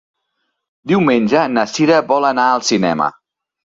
Diumenge na Cira vol anar al cinema.